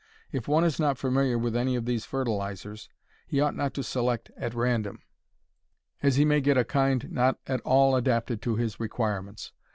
If one is not familiar with any of these fertilizers he ought not to select at random, as he may get a kind not at all adapted to his requirements.